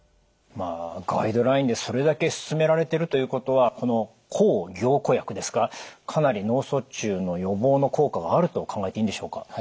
まあガイドラインでそれだけ勧められてるということはこの抗凝固薬ですかかなり脳卒中の予防の効果があると考えていいんでしょうか？